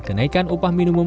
kenaikan upah minumum